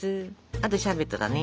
あとシャーベットだね。